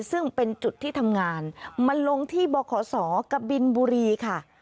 ซึ่งเป็นจุดที่ทำงานมันลงที่บขศกะบินบุรีค่ะ